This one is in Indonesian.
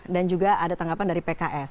dan juga ada tanggapan dari pks